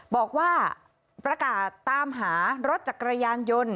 บอกว่าประกาศตามหารถจักรยานยนต์